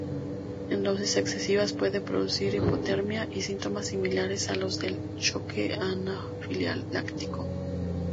En dosis excesivas puede producir hipotermia y síntomas similares a los del choque anafiláctico.